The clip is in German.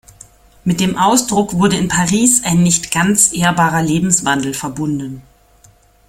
Mit dem Ausdruck wurde in Paris ein nicht ganz ehrbarer Lebenswandel verbunden.